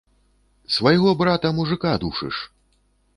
Свайго брата мужыка душыш.